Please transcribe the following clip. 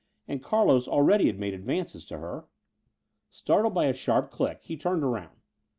And Carlos already had made advances to her. Startled by a sharp click, he turned around.